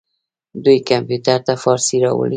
دوی کمپیوټر ته فارسي راوړې.